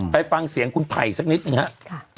ไปฟังเสียงคุณไผ่สักนิดหนึ่งครับ